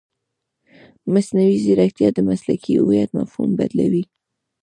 مصنوعي ځیرکتیا د مسلکي هویت مفهوم بدلوي.